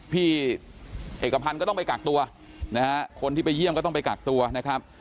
พี่เอกพันธ์ก็ต้องไปกักตัวนะฮะคนที่ไปเยี่ยมก็ต้องไปกักตัวนะครับ